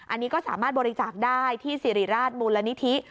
อันนี้ก็สามารถบริจาคได้ที่สิริราชมูลนิธิ